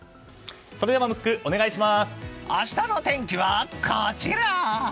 明日の天気はこちら。